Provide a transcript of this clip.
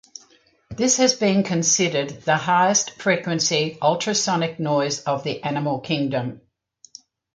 This has been considered the highest frequency ultrasonic noise of the animal kingdom.